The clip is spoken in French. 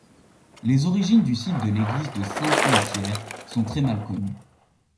Les origines du site de l'église de Saint-Hymetière sont très mal connues.